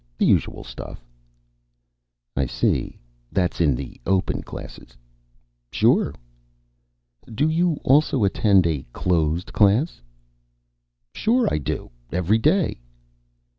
The usual stuff." "I see. That's in the open classes?" "Sure." "Do you also attend a closed class?" "Sure I do. Every day."